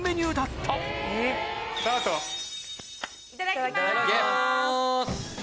いただきます。